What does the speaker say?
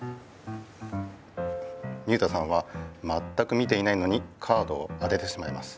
水田さんはまったく見ていないのにカードを当ててしまいます。